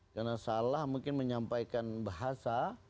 karena salah mungkin menyampaikan bahasa